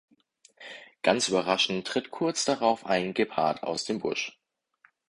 Ganz überraschend tritt kurz darauf ein Gepard aus dem Busch.